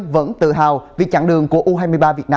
vâng chúc mừng chị